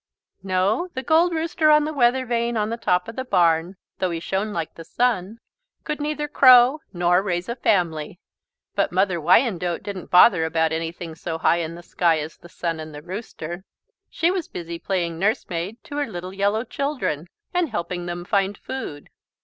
No, the Gold Rooster on the weather vane on the top of the barn, though he shone like the sun, could neither crow nor raise a family. But Mother Wyandotte didn't bother about anything so high in the sky as the sun and the rooster. She was busy playing nurse maid to her little yellow children and helping them find food.